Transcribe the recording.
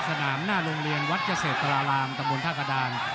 สนามหน้าโรงเรียนวัดเกษตราลามตำบลภาคดาล